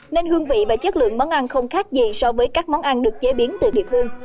nên hương vị và chất lượng món ăn không khác gì so với các món ăn được chế biến từ địa phương